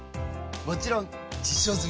もちろん実証済！